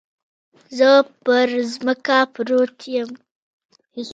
زه پر ځمکه پروت يم.